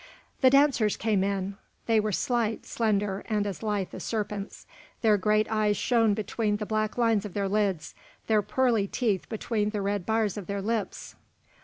The dancers came in. They were slight, slender, and as lithe as serpents; their great eyes shone between the black lines of their lids, their pearly teeth between the red bars of their lips.